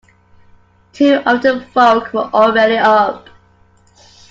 Two of the Folk were already up.